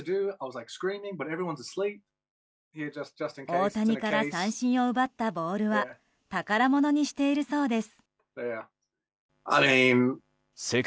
大谷から三振を奪ったボールは宝物にしているそうです。